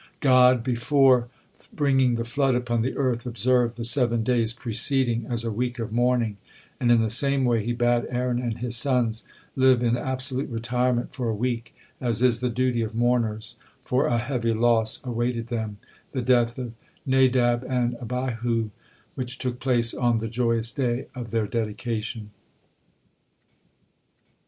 God, before bringing the flood upon the earth, observed the seven days preceding as a week of mourning, and in the same way He bade Aaron and his sons live in absolute retirement for a week, as is the duty of mourners, for a heavy loss awaited them the death of Nadab and Abihu, which took place on the joyous day of their dedication.